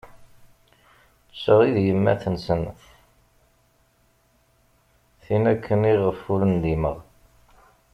D ta i d yemmat-nsen, tin akken i ɣef ur ndimeɣ.